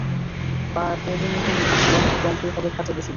প্যারীমোহন আসিয়া গম্ভীরভাবে খাটে বসিল।